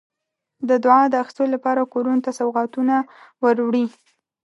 د دعا د اخیستلو لپاره کورونو ته سوغاتونه وروړي.